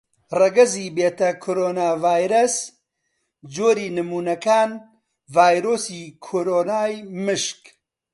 ڕەگەزی بێتاکۆڕوناڤایرەس: جۆری نموونەکان: ڤایرۆسی کۆڕۆنای مشک.